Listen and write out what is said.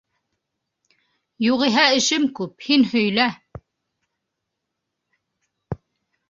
Юғиһә эшем күп, һин һөйлә.